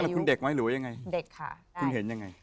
คุณเด็กไหมหรือยังไง